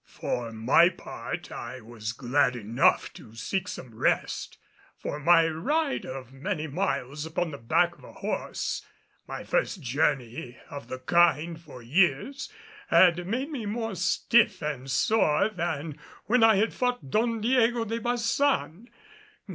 For my part I was glad enough to seek some rest; for my ride of many miles upon the back of a horse, my first journey of the kind for years, had made me more stiff and sore than when I had fought Don Diego de Baçan.